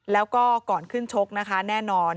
แล้วก็ก่อนขึ้นชกนะคะแน่นอน